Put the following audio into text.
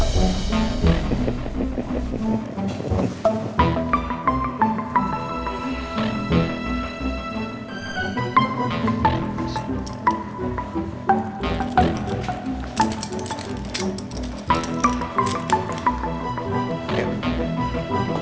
terima kasih pak